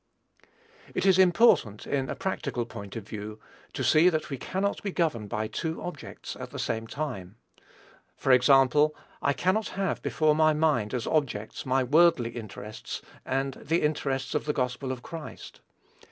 It is important, in a practical point of view, to see that we cannot be governed by two objects at the same time. For example, I cannot have before my mind as objects my worldly interests and the interests of the gospel of Christ.